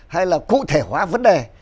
hay là cụ thể hóa vấn đề